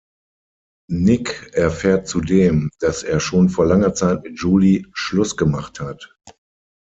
Nick erfährt zudem, dass er schon vor langer Zeit mit Julie Schluss gemacht hat.